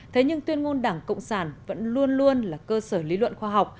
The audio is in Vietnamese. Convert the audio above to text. thế nhưng tuyên ngôn đảng cộng sản vẫn luôn luôn là cơ sở lý luận khoa học